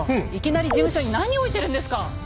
いきなり事務所に何置いてるんですか！